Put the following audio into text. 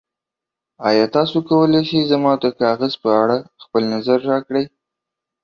ایا تاسو کولی شئ زما د کاغذ په اړه خپل نظر راکړئ؟